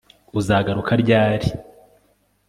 uzagaruka ryari